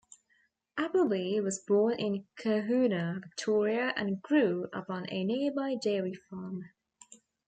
Appleby was born in Cohuna, Victoria, and grew up on a nearby dairy farm.